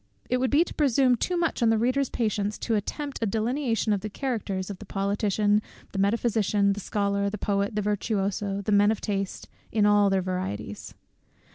It would be to presume too much on the reader's patience to attempt a delineation of the characters of the politician, the metaphysician, the scholar, the poet, the virtuoso, the man of taste, in all their varieties.